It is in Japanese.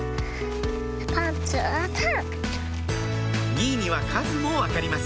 ニイニは数も分かります